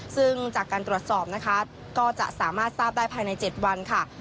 ซึ่งจากการตรวจสอบนะคะก็จะสามารถทราบได้ภายใน๗วันค่ะ